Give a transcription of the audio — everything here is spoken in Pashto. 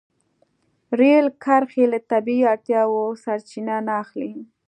رېل کرښې له طبیعي اړتیاوو سرچینه نه اخلي.